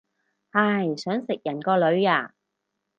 唉，想食人個女啊